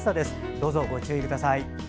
どうぞご注意ください。